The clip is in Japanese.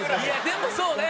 でもそうね。